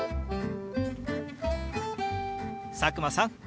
佐久間さん